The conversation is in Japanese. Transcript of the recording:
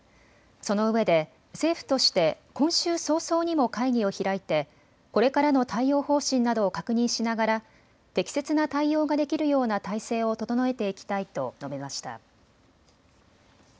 そのうえで政府として今週早々にも会議を開いてこれからの対応方針などを確認しながら適切な対応ができるような体制を整えていきたいと述べました。